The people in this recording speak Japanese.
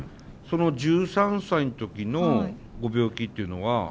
その１３歳の時のご病気っていうのは？